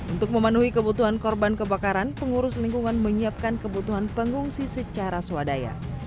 untuk memenuhi kebutuhan korban kebakaran pengurus lingkungan menyiapkan kebutuhan pengungsi secara swadaya